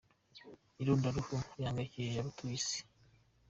Irondaruhu rihangayikishije abatuye isi.